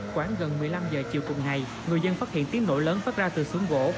quảng gần một mươi năm h chiều cùng ngày người dân phát hiện tiếng nổi lớn phát ra từ xuống gỗ